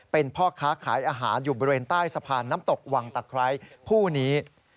เป็นพ่อค้าขายอาหารอยู่บริเวณใต้สะพานน้ำตกวังตะไคร้คู่นี้